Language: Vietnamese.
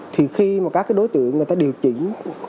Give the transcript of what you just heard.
thì khi các đối tượng người ta điều chỉnh